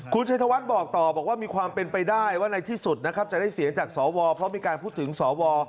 คุณชัยธวัฒน์บอกต่อบอกว่ามีความเป็นไปได้ว่าในที่สุดนะครับจะได้เสียงจากสวเพราะมีการพูดถึงสว